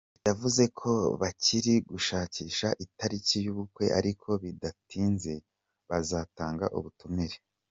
Yavuze ko bakiri gushakisha itariki y’ubukwe ariko bidatinze bazatanga ubutumire.